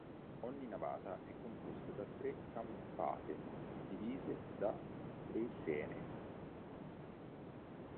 Ogni navata è composta da tre campate divise da lesene.